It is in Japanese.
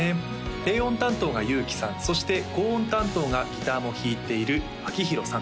低音担当がＹｕ−ｋｉさんそして高音担当がギターも弾いているあきひろさん